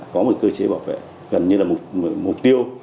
có một cơ chế bảo vệ gần như là một mục tiêu